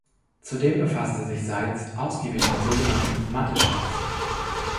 Zudem befasste sich Seitz ausgiebig mit sogenannten Matte-Shots.